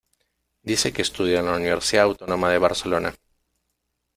Dice que estudia en la Universidad Autónoma de Barcelona.